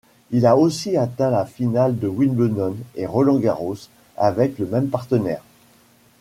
Il a aussi atteint la finale à Wimbledon et Roland-Garros avec le même partenaire.